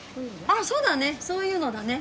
あぁそうだねそういうのだね